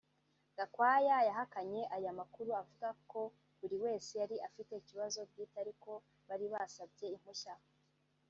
Gakwaya yahakanye aya makuru avuga ko buri wese yari afite ikibazo bwite ariko bari basabye impushya